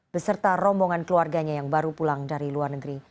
beserta rombongan keluarganya yang baru pulang dari luar negeri